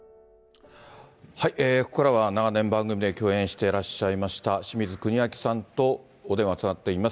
ここからは長年番組で共演してらっしゃいました清水国明さんとお電話つながっております。